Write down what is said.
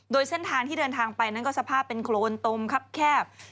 โดยเส้นทางที่เดินทางไปนั้นก็สภาพเป็นโครนตมครับแคบ